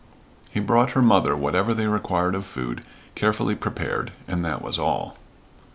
He brought her mother whatever they required of food, carefully prepared, and that was all.